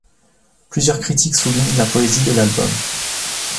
Plusieurs critiques soulignent la poésie de l'album.